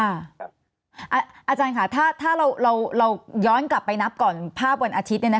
อาจารย์ค่ะถ้าเราย้อนกลับไปนับก่อนภาพวันอาทิตย์